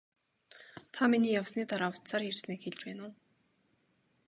Та миний явсны дараа утсаар ярьсныг хэлж байна уу?